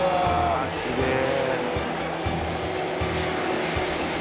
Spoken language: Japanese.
すげえ。